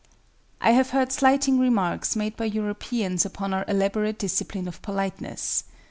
] I have heard slighting remarks made by Europeans upon our elaborate discipline of politeness.